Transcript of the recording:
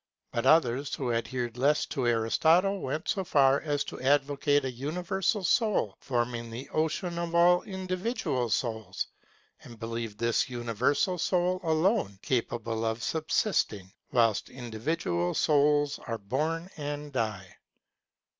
But others who adhered less to Aristotle went so far as to advocate a universal soul forming the ocean of all individual souls, and believed this universal soul alone capable of subsisting, whilst individual souls are born and die.